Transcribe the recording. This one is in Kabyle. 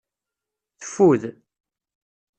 Teffud.